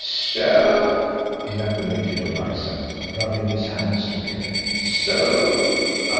"So!" ejaculated old Isaac, rubbing his hands together. "So!